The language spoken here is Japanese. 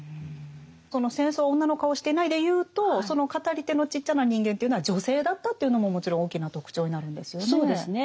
その「戦争は女の顔をしていない」でいうとその語り手のちっちゃな人間というのは女性だったというのももちろん大きな特徴になるんですよね。